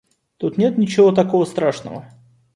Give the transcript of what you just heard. Тут нет ничего такого страшного.